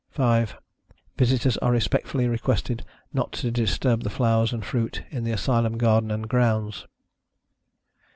5. Visitors are respectfully requested not to disturb the flowers and fruit in the Asylum garden and grounds.